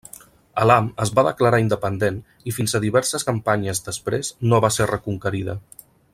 Elam es va declarar independent i fins a diverses campanyes després no va ser reconquerida.